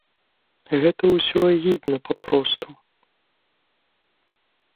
Гэта ўсё агідна папросту!